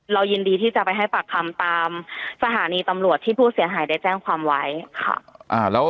ยินดีที่จะไปให้ปากคำตามสถานีตำรวจที่ผู้เสียหายได้แจ้งความไว้ค่ะ